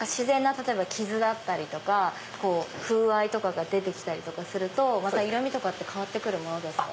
例えば傷だったりとか風合いが出て来たりすると色みとかって変わるものですか？